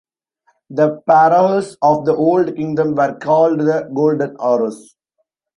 The Pharaohs of the Old Kingdom were called the "Golden Horus".